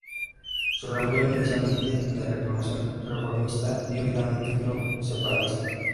Su rebelión, inicialmente de reclamación reformista, dio finalmente un giro separatista.